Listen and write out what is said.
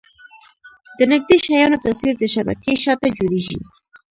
د نږدې شیانو تصویر د شبکیې شاته جوړېږي.